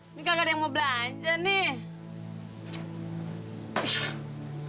ini kagak ada yang mau belanja nih